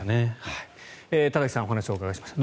田崎さんにお話をお伺いしました。